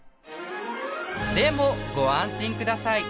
でもご安心ください。